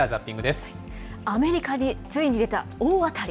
アメリカについに出た大当たり。